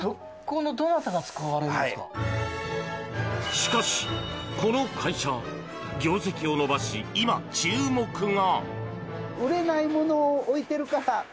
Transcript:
しかし、この会社業績を伸ばし、今注目が！